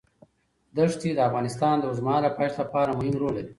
ښتې د افغانستان د اوږدمهاله پایښت لپاره مهم رول لري.